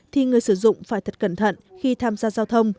thì người sử dụng phải thật cẩn thận